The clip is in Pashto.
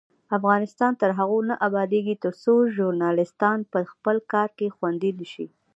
افغانستان تر هغو نه ابادیږي، ترڅو ژورنالیستان په خپل کار کې خوندي نشي.